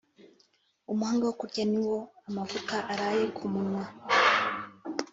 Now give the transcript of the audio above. Umuhanga wo kurya ni uwo amavuta araye ku munwa